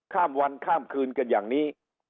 ข้ามวันข้ามคืนกันอย่างนี้